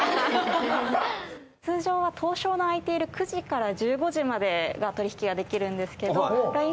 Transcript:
通常は東証の開いている９時から１５時までが取引ができるんですけどＬＩＮＥ